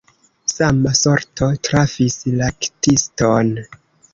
Sama sorto trafis laktiston.